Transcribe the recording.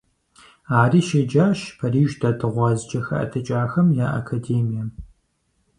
Ари щеджащ Париж дэт гъуазджэ хэӀэтыкӀахэм я Академием.